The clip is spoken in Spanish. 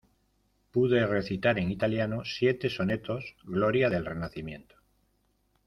pude recitar en italiano siete sonetos gloria del Renacimiento: